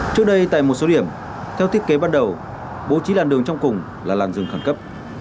trước đây tại một số điểm theo thiết kế ban đầu bố trí làn đường trong cùng là làn rừng khẩn cấp